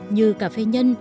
như cà phê nhân